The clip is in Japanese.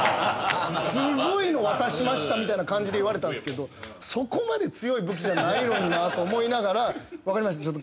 すごいの渡しましたみたいな感じで言われたんですけどそこまで強い武器じゃないのになと思いながら分かりました